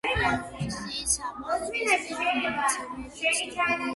ფრენბურთის „საპასპორტო“ მონაცემები ცნობილია: